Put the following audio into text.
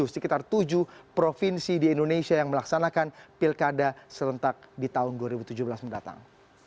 sekitar tujuh provinsi di indonesia yang melaksanakan pilkada serentak di tahun dua ribu tujuh belas mendatang